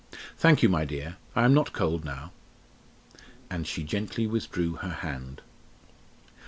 Thank you, my dear. I am not cold now." And she gently withdrew her hand.